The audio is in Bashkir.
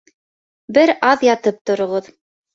Бер аҙ ятып тороғоҙ